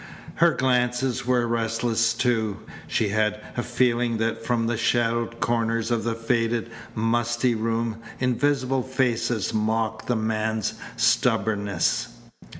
Her glances were restless, too. She had a feeling that from the shadowed corners of the faded, musty room invisible faces mocked the man's stubbornness.